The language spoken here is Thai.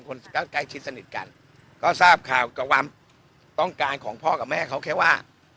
คนใกล้ใกล้ชิดสนิทกันก็ทราบข่าวกับความต้องการของพ่อกับแม่เขาแค่ว่า